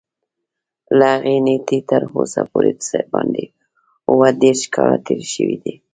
له هغې نېټې تر اوسه پورې څه باندې اووه دېرش کاله تېر شوي دي.